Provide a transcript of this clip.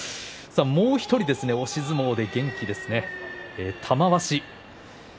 もう１人押し相撲で元気です玉鷲です。